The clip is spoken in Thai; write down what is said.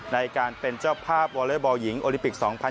ในการเป็นเจ้าภาพวอลเลอร์บอลิปิก๒๐๒๐